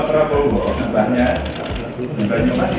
pak izin pak dikit pak